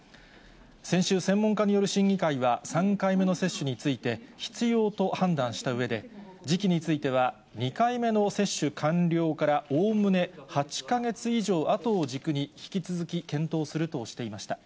先週、専門家による審議会は３回目の接種について、必要と判断したうえで、時期については、２回目の接種完了からおおむね８か月以上あとを軸に引き続き検討するとしていました。